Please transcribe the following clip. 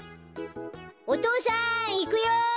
お父さんいくよ！